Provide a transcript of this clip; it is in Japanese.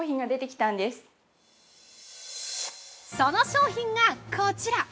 その商品が、こちら！